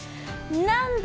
なんで！